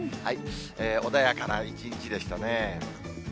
穏やかな一日でしたね。